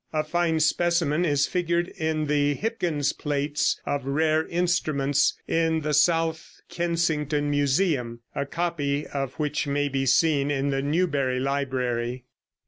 A fine specimen is figured in "Hipkins' Plates of Rare Instruments" in the South Kensington Museum, a copy of which may be seen in the Newberry Library.